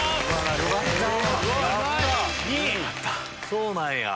そうなんや。